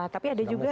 tapi ada juga